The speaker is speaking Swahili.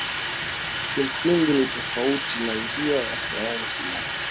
kimsingi ni tofauti na njia ya sayansi ya